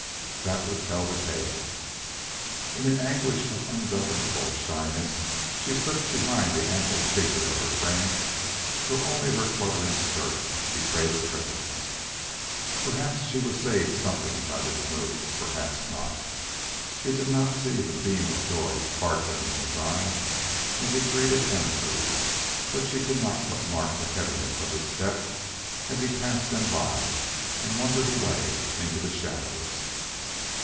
That would tell the tale. In an anguish of ungovernable shyness, she slipped behind the ample figure of her friend till only her fluttering skirt betrayed her presence. Perhaps she was saved something by this move; perhaps not. She did not see the beam of joy sparkling in his eye as he greeted Ermentrude; but she could not but mark the heaviness of his step as he passed them by and wandered away into the shadows.